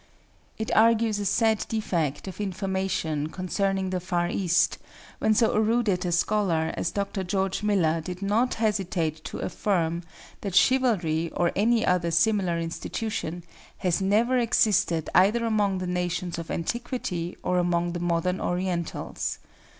It argues a sad defect of information concerning the Far East, when so erudite a scholar as Dr. George Miller did not hesitate to affirm that chivalry, or any other similar institution, has never existed either among the nations of antiquity or among the modern Orientals.